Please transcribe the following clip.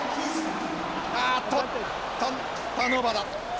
あっとターンオーバーだ。